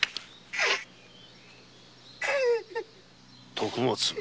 徳松？